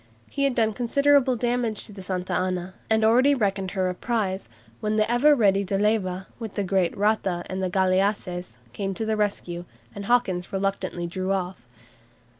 He had done considerable damage to the "Santa Ana," and already reckoned her a prize, when the ever ready De Leyva, with the great "Rata" and the galleasses, came to the rescue, and Hawkins reluctantly drew off.